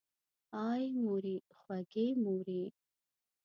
آی مورې خوږې مورې!